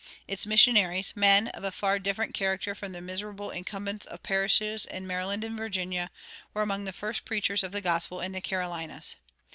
Its missionaries, men of a far different character from the miserable incumbents of parishes in Maryland and Virginia, were among the first preachers of the gospel in the Carolinas.